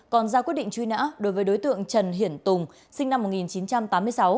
còn ra quyết định truy nã đối với đối tượng trần hiển tùng sinh năm một nghìn chín trăm tám mươi sáu